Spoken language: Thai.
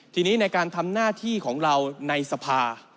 ทีนี้ในการทำหน้าที่ของเราในสภา